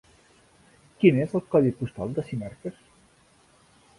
Quin és el codi postal de Sinarques?